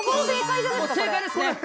正解ですね。